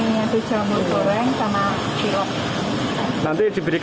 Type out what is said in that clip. ini adalah barang dagangan yang terdampak ppkm